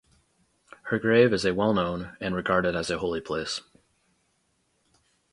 Her grave is a well-known, and regarded as a holy place.